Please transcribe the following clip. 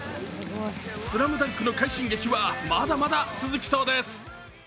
「ＳＬＡＭＤＵＮＫ」の快進撃はまだまだ続きそうです。